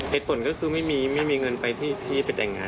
เหตุผลก็คือไม่มีเงินไปที่ปฏิการณ์